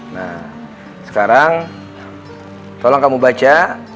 nah sekarang tolong kamu baca